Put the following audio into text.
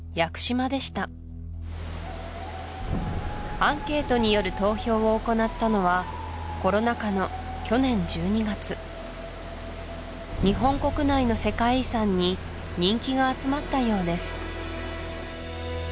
アンケートによる投票を行ったのはコロナ禍の去年１２月日本国内の世界遺産に人気が集まったようです